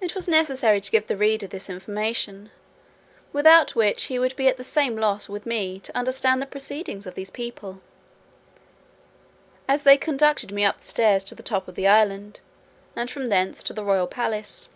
It was necessary to give the reader this information, without which he would be at the same loss with me to understand the proceedings of these people, as they conducted me up the stairs to the top of the island, and from thence to the royal palace.